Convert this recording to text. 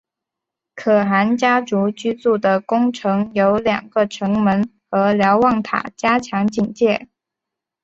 可汗家族居住的宫城有两个城门和瞭望塔加强警戒。